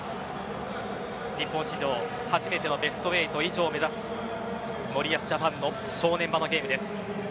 日本史上初めてのベスト８以上を目指す森保ジャパンの正念場のゲームです。